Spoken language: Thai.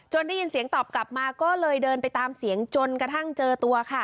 ได้ยินเสียงตอบกลับมาก็เลยเดินไปตามเสียงจนกระทั่งเจอตัวค่ะ